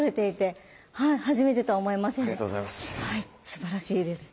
すばらしいです。